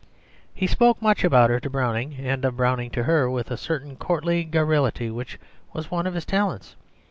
He spoke much about her to Browning, and of Browning to her, with a certain courtly garrulity which was one of his talents.